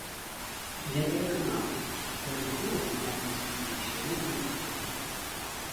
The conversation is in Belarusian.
Я перакананы, што кожны тур гульня будзе ісці ўсё лепей і лепей.